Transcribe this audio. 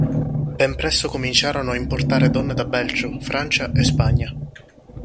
Ben presto cominciarono ad importare donne da Belgio, Francia e Spagna.